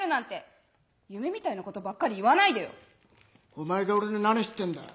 「お前が俺の何知ってんだ？」。